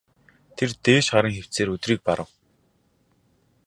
Тэр дээш харан хэвтсээр өдрийг барав.